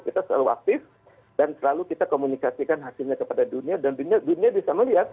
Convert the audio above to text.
kita selalu aktif dan selalu kita komunikasikan hasilnya kepada dunia dan dunia bisa melihat bahwa indonesia sangat konsisten dengan perkembangan